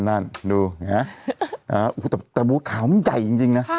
ว่าเด็กมันจะต้อง